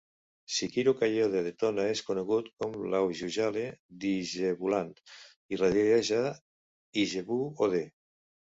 Sikiru Kayode Adetona, és conegut com l'Aujujale d'Ijebuland i resideix a Ijebu-Ode.